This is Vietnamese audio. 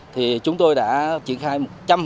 thì chúng tôi đã triển khai một trăm linh